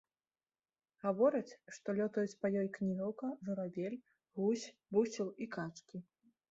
Гавораць, што лётаюць па ёй кнігаўка, журавель, гусь, бусел і качкі.